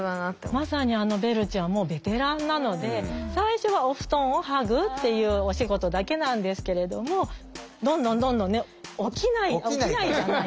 まさにあのベルちゃんもうベテランなので最初はお布団を剥ぐっていうお仕事だけなんですけれどもどんどんどんどんね起きないあっ起きないじゃない。